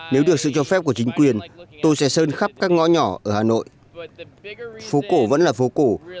nếu được sự cho phép của chính quyền tôi sẽ sơn khắp các ngõ nhỏ ở hà nội phố cổ vẫn là phố cổ